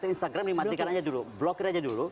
instagram dimatikan aja dulu blokir aja dulu